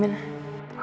kamu lagi dimana